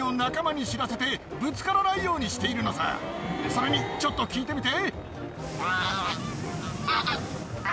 それにちょっと聞いてみて。